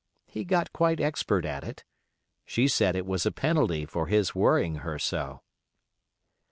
He got quite expert at it. She said it was a penalty for his worrying her so.